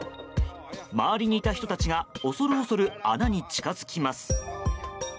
周りにいた人たちが恐る恐る穴に近づきます。